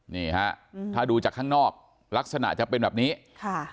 นี่ฮะอืมถ้าดูจากข้างนอกลักษณะจะเป็นแบบนี้ค่ะ